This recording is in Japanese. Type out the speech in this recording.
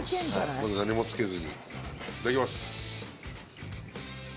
まず何もつけずにいただきます。